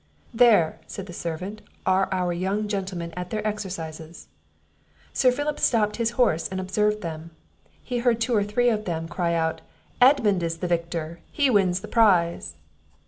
"There," said the servant, "are our young gentlemen at their exercises." Sir Philip stopped his horse to observe them; he heard two or three of them cry out, "Edmund is the victor! He wins the prize!"